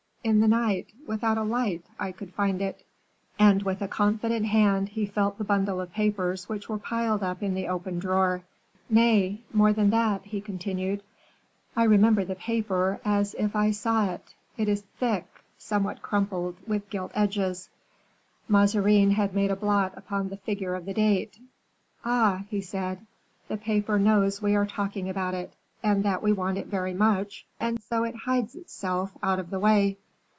In the night, without a light, I could find it." And with a confident hand he felt the bundle of papers which were piled up in the open drawer. "Nay, more than that," he continued, "I remember the paper as if I saw it; it is thick, somewhat crumpled, with gilt edges; Mazarin had made a blot upon the figure of the date. Ah!" he said, "the paper knows we are talking about it, and that we want it very much, and so it hides itself out of the way."